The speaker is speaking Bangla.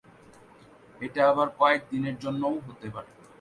এটা আবার কয়েকদিনের জন্যও হতে পারে।